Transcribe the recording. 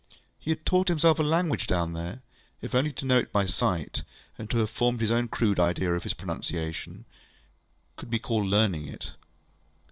He had taught himself a language down here, ŌĆöif only to know it by sight, and to have formed his own crude ideas of its pronunciation, could be called learning it.